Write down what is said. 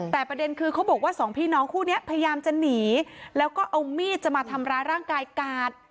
แต่ประเด็นคือเขาบอกว่าสองพี่น้องคู่นี้พยายามจะหนีแล้วก็เอามีดจะมาทำร้ายร่างกายกาด